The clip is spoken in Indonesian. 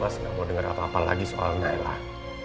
mas gak mau denger apa apa lagi soal nailah